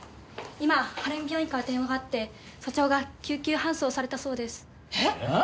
今晴海病院から電話があって署長が救急搬送されたそうです。え！？何。